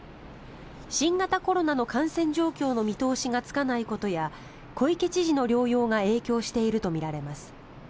新型コロナの感染状況の見通しがつかないことや小池知事の療養が影響しているとみられます。